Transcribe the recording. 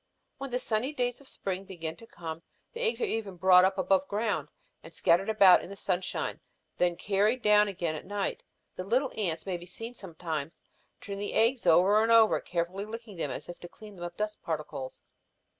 When the sunny days of spring begin to come, the eggs are even brought up above ground and scattered about in the sunshine, then carried down again at night. The little ants may be seen sometimes turning the eggs over and over and carefully licking them as if to clean them of dust particles.